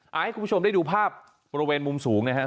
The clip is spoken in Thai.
ให้คุณผู้ชมได้ดูภาพบริเวณมุมสูงนะครับ